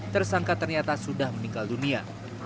tersangka ternyata sudah meninggal dunia